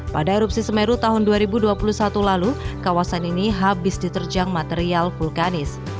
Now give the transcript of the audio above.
pada erupsi semeru tahun dua ribu dua puluh satu lalu kawasan ini habis diterjang material vulkanis